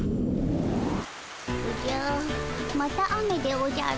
おじゃまた雨でおじゃる。